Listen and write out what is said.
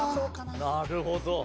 なるほど。